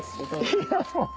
いやもう。